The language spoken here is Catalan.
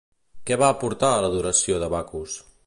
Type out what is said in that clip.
Què va aportar en l'adoració de Bacus?